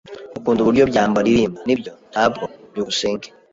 "Ukunda uburyo byambo aririmba?" "Nibyo. Ntabwo?" byukusenge